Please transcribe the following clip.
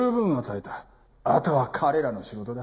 あとは彼らの仕事だ。